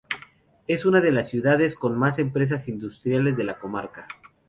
Es una de las ciudades con más empresas industriales de la comarca.